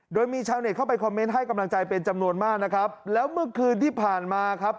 โดยมีชาวเน็ตเข้าไปคอมเมนต์ให้กำลังใจเป็นจำนวนมากนะครับแล้วเมื่อคืนที่ผ่านมาครับ